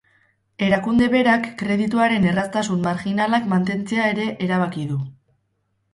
Erakunde berak kredituaren erraztasun marginalak mantentzea ere erabaki du.